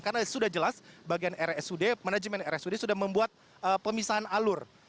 karena sudah jelas bagian rsud manajemen rsud sudah membuat pemisahan alur